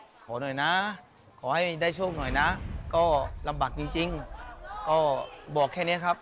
ขอหน่อยนะขอให้ได้โชคหน่อยนะก็ลำบากจริงก็บอกแค่นี้ครับ